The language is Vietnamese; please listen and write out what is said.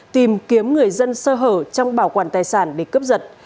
tìm kiếm người dân sơ hở trong bảo quản tài sản để cướp giật